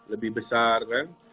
lebih besar kan